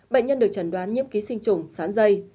bệnh nhân được trần đoán nhiếm ký sinh trùng sán dây